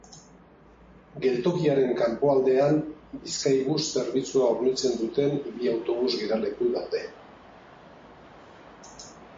Geltokiaren kanpoaldean Bizkaibus zerbitzua hornitzen duten bi autobus geraleku daude.